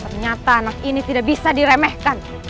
ternyata anak ini tidak bisa diremehkan